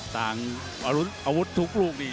ต่างอาวุธทุกลูกนี่